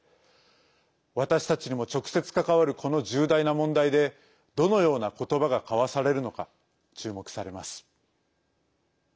私たちにも直接関わるこの重大な問題でどのような言葉が交わされるのか注目されます。